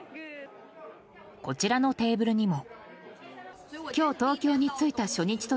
こちらのテーブルにも。